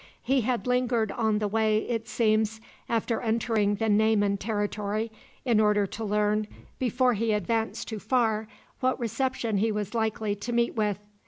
He had lingered on the way, it seems, after entering the Nayman territory, in order to learn, before he advanced too far, what reception he was likely to meet with.